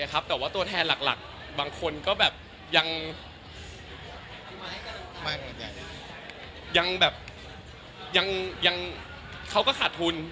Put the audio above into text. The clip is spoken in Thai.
แต่ว่าตัวแทนหลักบางคนก็แบบยังแบบยังเขาก็ขาดทุน